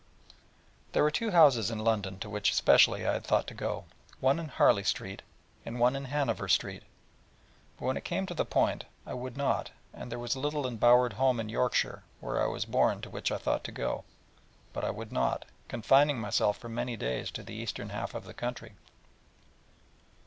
There were two houses in London to which especially I had thought to go: one in Harley Street, and one in Hanover Square: but when it came to the point, I would not; and there was a little embowered home in Yorkshire, where I was born, to which I thought to go: but I would not, confining myself for many days to the eastern half of the county.